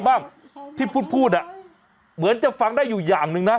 บ้างที่พูดพูดอ่ะเหมือนจะฟังได้อยู่อย่างหนึ่งนะ